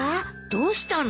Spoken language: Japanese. どうしたの？